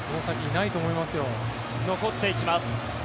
残っていきます。